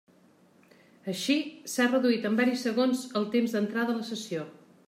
Així, s'ha reduït en varis segons el temps d'entrada a la sessió.